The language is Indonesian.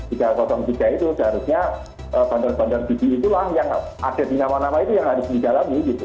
tiga ratus tiga itu seharusnya bandar bandar gigi itulah yang ada di nama nama itu yang harus dijalani